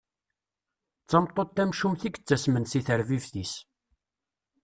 D tameṭṭut tamcumt i yettassmen si tarbibt-is.